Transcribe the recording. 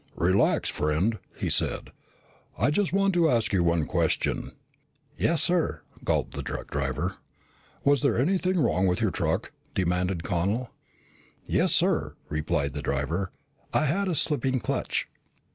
"Relax, friend," he said. "I just want to ask you one question." "Yes, sir," gulped the truck driver. "Was there anything wrong with your truck?" demanded Connel. "Yes, sir," replied the driver. "I had a slipping clutch."